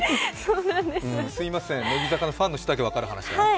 すいません、乃木坂のファンの人だけ分かる話で。